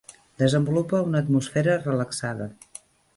Desenvolupa una atmosfera relaxada.